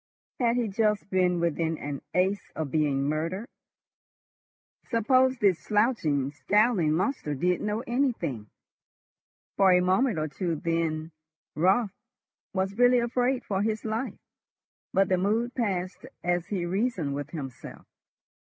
Had he just been within an ace of being murdered? Suppose this slouching, scowling monster did know anything? For a minute or two then Raut was really afraid for his life, but the mood passed as he reasoned with himself.